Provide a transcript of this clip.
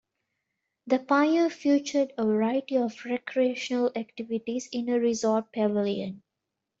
The pier featured a variety of recreational activities in a resort pavilion.